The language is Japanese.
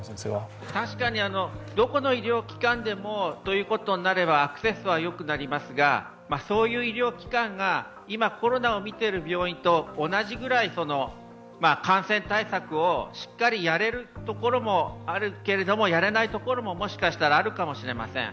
確かにどこの医療機関でもということになればアクセスはよくなりますがそういう医療機関が、今コロナを診ている病院と同じぐらい感染対策をしっかりやれるところもあるけれどもやれないところももしかしたらあるかもしれません。